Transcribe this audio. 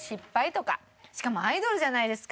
しかもアイドルじゃないですか。